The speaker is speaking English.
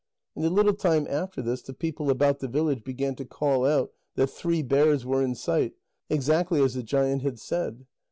And a little time after this, the people about the village began to call out that three bears were in sight exactly as the giant had said.